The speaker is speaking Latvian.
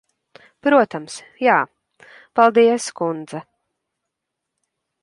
Protams, jā. Paldies, kundze.